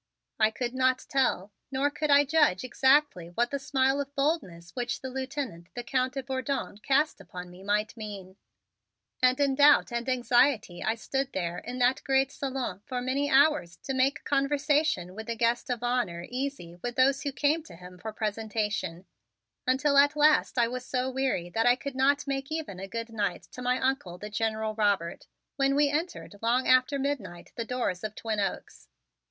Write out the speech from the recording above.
I could not tell nor could I judge exactly what the smile of boldness which the Lieutenant, the Count de Bourdon, cast upon me, might mean. And in doubt and anxiety I stood there in that great salon for many hours to make conversation with the guest of honor easy with those who came to him for presentation, until at last I was so weary that I could not make even a good night to my Uncle, the General Robert, when we entered, long after midnight, the doors of Twin Oaks.